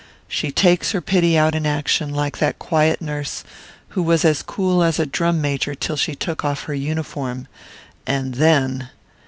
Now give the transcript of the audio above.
"She takes her pity out in action, like that quiet nurse, who was as cool as a drum major till she took off her uniform and then!"